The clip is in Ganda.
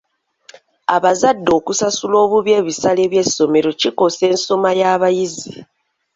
Abazadde okusasula obubi ebisale by'essomero kikosa ensoma y'abayizi.